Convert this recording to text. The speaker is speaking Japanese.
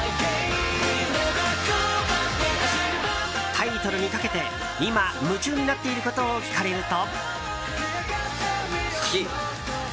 タイトルにかけて今、夢中になっていることを聞かれると。